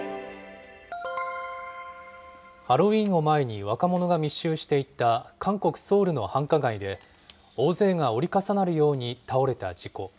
ハロウィーンを前に若者が密集していた韓国・ソウルの繁華街で、大勢が折り重なるように倒れた事故。